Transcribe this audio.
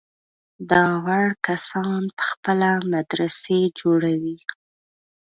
دا وړ کسان په خپله مدرسې جوړوي.